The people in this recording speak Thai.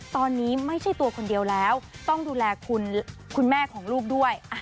ตอนนี้ไม่ใช่ตัวคนเดียวแล้วต้องดูแลคุณแม่ของลูกด้วย